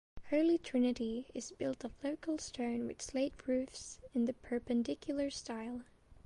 Holy Trinity is built of local stone with slate roofs in the Perpendicular style.